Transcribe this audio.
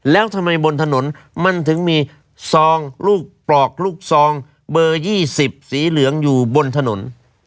แล้วทำไมบนถนนมันถึงมีซองลูกปลอกลูกซองเบอร์๒๐สีเหลืองอยู่บนถนน